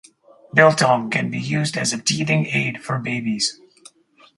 Biltong can be used as a teething aid for babies.